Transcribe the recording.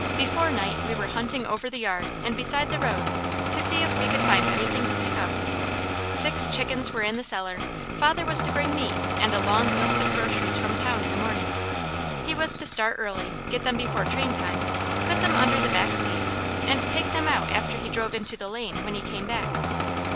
Before night we were hunting over the yard, and beside the road, to see if we could find anything to pick up. Six chickens were in the cellar, father was to bring meat and a long list of groceries from town in the morning. He was to start early, get them before train time, put them under the back seat, and take them out after he drove into the lane, when he came back.